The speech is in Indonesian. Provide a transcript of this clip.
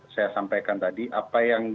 saya sampaikan tadi apa yang